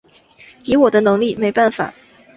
以我的能力没办法